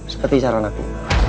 seperti saran aku